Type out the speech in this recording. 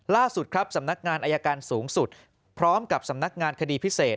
ล่าสุดครับสำนักงานอายการสูงสุดพร้อมกับสำนักงานคดีพิเศษ